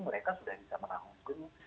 mereka sudah bisa menanggung